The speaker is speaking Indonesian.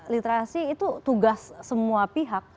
literasi itu tugas semua pihak